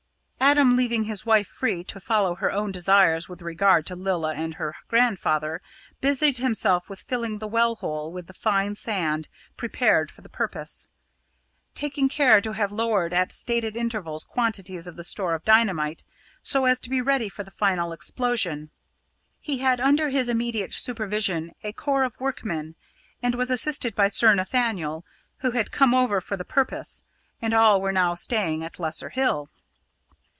Adam, leaving his wife free to follow her own desires with regard to Lilla and her grandfather, busied himself with filling the well hole with the fine sand prepared for the purpose, taking care to have lowered at stated intervals quantities of the store of dynamite, so as to be ready for the final explosion. He had under his immediate supervision a corps of workmen, and was assisted by Sir Nathaniel, who had come over for the purpose, and all were now staying at Lesser Hill.